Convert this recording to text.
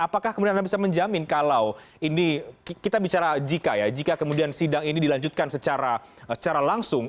apakah kemudian anda bisa menjamin kalau ini kita bicara jika ya jika kemudian sidang ini dilanjutkan secara langsung